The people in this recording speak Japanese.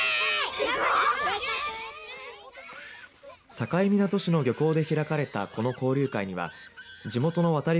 境港市の漁港で開かれたこの交流会には地元のわたり